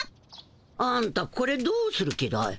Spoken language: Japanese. あんたこれどうする気だい？